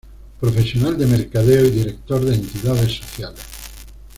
Profesional de mercadeo y director de entidades sociales.